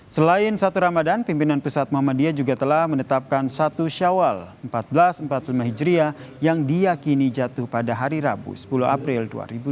selain satu ramadan pimpinan pusat muhammadiyah juga telah menetapkan satu syawal seribu empat ratus empat puluh lima hijriah yang diakini jatuh pada hari rabu sepuluh april dua ribu dua puluh